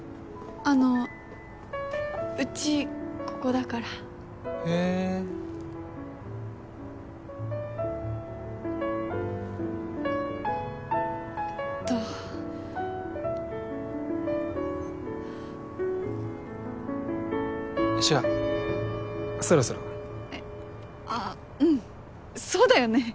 あのうちここだからへええっとじゃそろそろえっあうんそうだよね